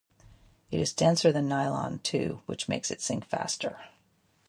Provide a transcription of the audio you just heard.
It is denser than nylon, too, which makes it sink faster.